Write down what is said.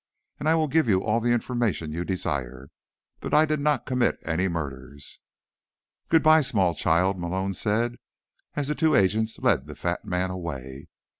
And I will give you all the information you desire. But I did not commit any murders." "Goodbye, small child," Malone said, as two agents led the fat man away.